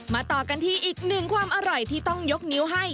ต่อกันที่อีกหนึ่งความอร่อยที่ต้องยกนิ้วให้